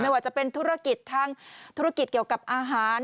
ว่าจะเป็นธุรกิจทางธุรกิจเกี่ยวกับอาหาร